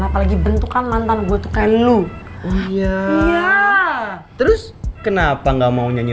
apalagi bentuk mantan gue tuh lalu mendang seriously tongu